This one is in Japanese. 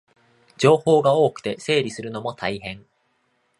情報が多くて整理するのも大変